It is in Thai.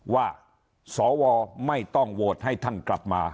สวไม่ต้องโหวตให้ท่านกลับมา